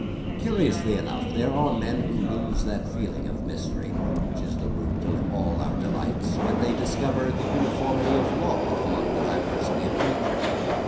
Curiously enough, there are men who lose that feeling of mystery, which is at the root of all our delights, when they discover the uniformity of law among the diversity of nature.